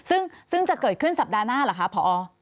ซึ่งจะเกิดขึ้นสัปดาห์หน้าหรือคะพอ